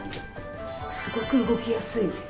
すごく動きやすい。